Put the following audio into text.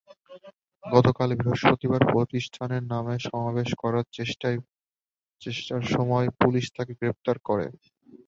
গতকাল বৃহস্পতিবার প্রতিষ্ঠানের নামে সমাবেশ করার চেষ্টার সময় পুলিশ তাঁকে গ্রেপ্তার করে।